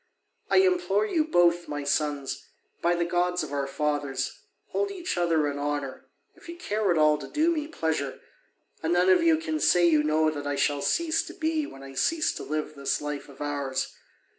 I implore you both, my sons, by the gods of our fathers, hold each other in honour, if you care at all to do me pleasure: and none of you can say you know that I shall cease to be when I cease to live this life of ours.